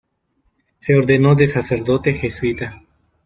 Se ordenó de sacerdote jesuita.